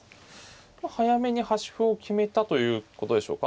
早めに端歩を決めたということでしょうか。